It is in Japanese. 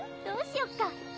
どうしよっか。